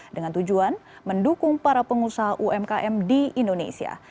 dengan tujuan mendukung para pengusaha umkm di indonesia